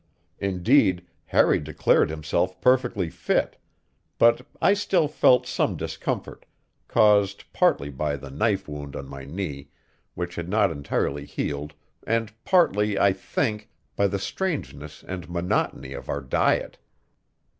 Indeed, Harry declared himself perfectly fit; but I still felt some discomfort, caused partly by the knife wound on my knee, which had not entirely healed, and partly, I think, by the strangeness and monotony of our diet.